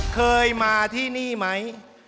เคยมาที่นี่ไหม